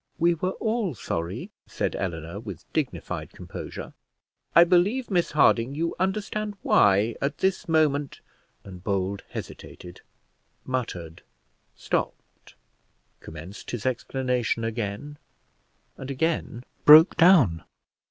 "We were all sorry," said Eleanor, with dignified composure. "I believe, Miss Harding, you understand why, at this moment " And Bold hesitated, muttered, stopped, commenced his explanation again, and again broke down.